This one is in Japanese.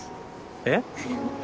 えっ？